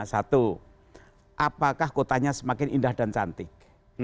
satu apakah kotanya semakin indah dan cantik